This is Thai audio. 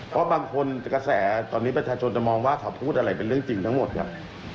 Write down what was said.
เพราะบางคนกระแสตอนนี้ประชาชนจะมองว่าเขาพูดอะไรเป็นเรื่องจริงทั้งหมดครับ